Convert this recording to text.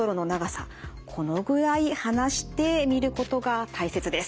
このぐらい離して見ることが大切です。